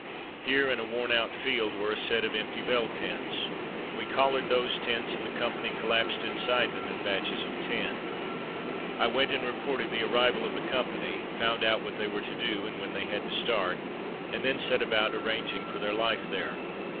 Here, in a worn out field, were a set of empty bell tents. We collared those tents and the company col lapsed inside them in batches of ten. I went and reported the arrival of the company, found out what they were to do, when they had to start, and then set about arranging for their life there.